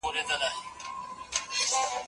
خلګ د کنټرول لپاره غولول کیږي.